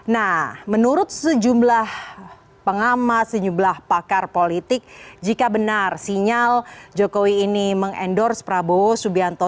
nah menurut sejumlah pengamat sejumlah pakar politik jika benar sinyal jokowi ini mengendorse prabowo subianto